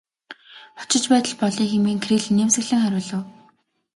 Очиж байж л болъё хэмээн Кирилл инээмсэглэн хариулав.